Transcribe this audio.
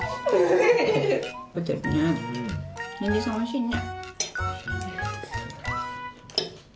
にんじんさんおいしいね。